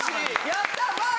やったー！